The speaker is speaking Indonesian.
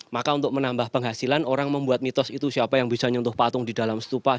maka untuk menambah penghasilan orang membuat mitos itu siapa yang bisa nyentuh patung di dalam stupa